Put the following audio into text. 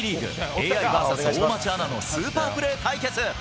ＡＩｖｓ大町アナのスーパープレー対決。